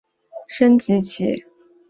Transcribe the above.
麒麟的升级棋。